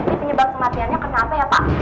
ini penyebab kematiannya kenapa ya pak